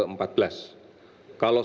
kalau semuanya baik